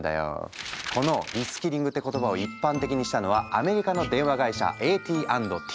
このリスキリングって言葉を一般的にしたのはアメリカの電話会社ＡＴ＆Ｔ。